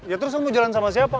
ya terus lo mau jalan sama siapa